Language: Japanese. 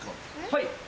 はい。